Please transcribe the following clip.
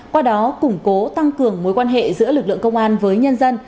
qua đó củng cố tăng cường mối quan hệ giữa lực lượng công an với nhân dân